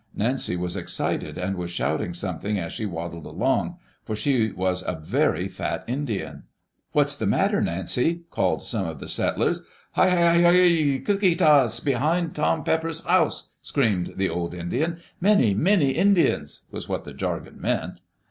Nancy was excited, and was shouting something as she waddled along, for she was a very fat Indian. "What's die matter, Nancy?'* called some of die setders. ^'Huhuhiu Klickitats behind Tom Pepper's house," screamed the old Indian. "Many, many Indians," was what the jargon meant.